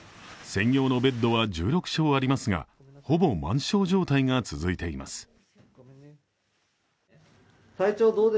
専用のベッドは１６床ありますが、ほぼ満床状態が続いています。